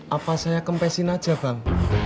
apa saya kempesin aja bang